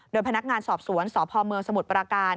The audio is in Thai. โดยพนักงานสอบสวนสพเมืองสมุทรปราการ